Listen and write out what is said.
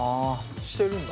してるんだ？